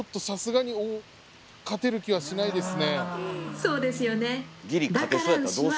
そうですよね。